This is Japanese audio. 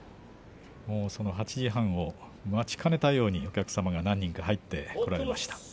その８時半を待ちかねたようにお客さんが何人か入っていました。